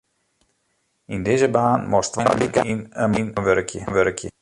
Yn dizze baan moatst twa wykeinen yn 'e moanne wurkje.